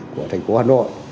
của thành phố hà nội